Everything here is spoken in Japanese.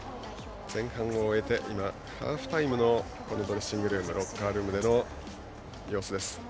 前半を終えてハーフタイムのドレッシングルームロッカールームでの様子です。